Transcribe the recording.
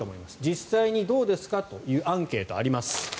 実際にどうですかというアンケートあります。